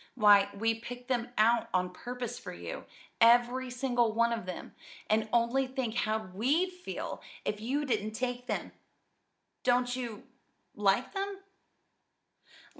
Why, we picked them out on purpose for you, every single one of them, and only think how we'd feel if you didn't take them! Don't you like them?"